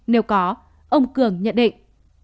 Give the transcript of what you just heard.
nếu có ông cường nhận định